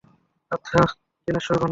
আচ্ছা, জ্ঞানেশ্বর বালক।